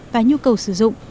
và nhu cầu sử dụng